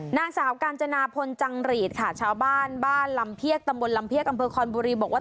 นางสาวกาญจนาพลจังหรีดค่ะชาวบ้านบ้านลำเพียกตำบลลำเพียกอำเภอคอนบุรีบอกว่า